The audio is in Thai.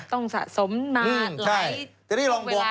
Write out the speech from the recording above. ต้องสะสมมาหลายตรงเวลานะครับ